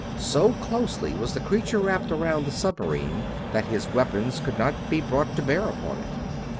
So closely was the creature wrapped around the submarine that his weapons could not be brought to bear upon it.